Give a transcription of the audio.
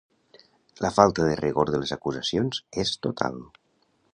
La falta de rigor de les acusacions és total.